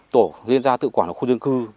tổ liên gia tự quản khu dân cư